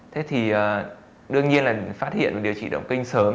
thế thì đương nhiên là phát hiện và điều trị động kinh sớm